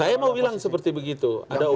apa yang saya bilang seperti begitu